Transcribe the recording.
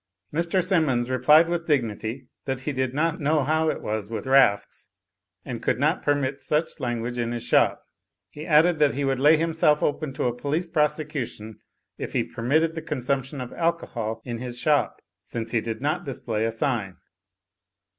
Mr. Sim mons replied with dignity, that he did not know how it was with rafts, and could not permit such language in his shop. He added that he would lay himself open to a police prose cution if he permitted the consumption of alcohol in his shop; since he did not display a sign.